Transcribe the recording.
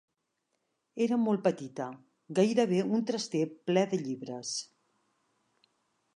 Era molt petita, gairebé un traster ple de llibres.